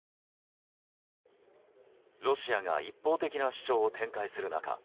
ロシアが一方的な主張を展開する中